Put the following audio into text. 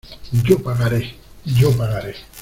¡ yo pagaré! ¡ yo pagaré !